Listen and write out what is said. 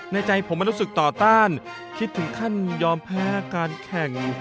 ใจผมมันรู้สึกต่อต้านคิดถึงขั้นยอมแพ้การแข่ง